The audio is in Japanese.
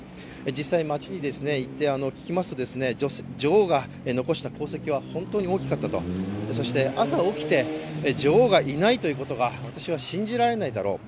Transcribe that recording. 実際街に行って聞きますと女王が残した功績は本当に大きかったと、そして、朝起きて女王がいないということが、私は信じられないだろう